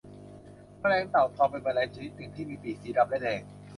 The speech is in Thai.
แมลงเต่าทองเป็นแมลงชนิดหนึ่งที่มีปีกสีดำและแดง